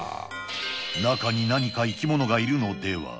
中に何か生き物がいるのでは？